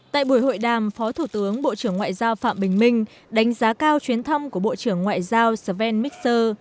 tại buổi hội đàm phó thủ tướng bộ trưởng ngoại giao phạm bình minh đánh giá cao chuyến thăm của bộ trưởng ngoại giao sven mixer